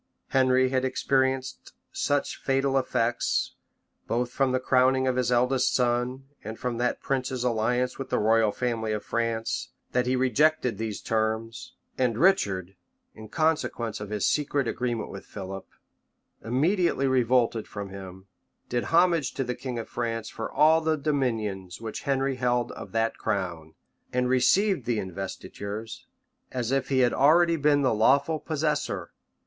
Henry had experienced such fatal effects, both from the crowning of his eldest son, and from that prince's alliance with the royal family of France, that he rejected these terms; and Richard, in con sequence of his secret agreement with Philip, immediately revolted from him, did homage to the king of France for all the dominions which Henry held of that crown, and received the investitures, as if he had already been the lawful possessor.